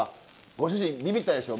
ご主人びびったでしょ？